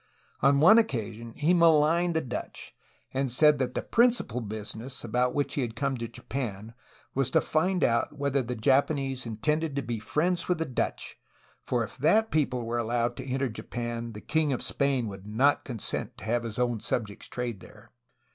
On one occasion he maligned the Dutch, and said that the '^principal business'' about which I he had com.e to Japan was to find out whether the Japanese intended to be friends of the Dutch, for if that people were allowed to enter Japan the king of Spain would not consent 38 A HISTORY OF CALIFORNIA to have his own subjects trade there.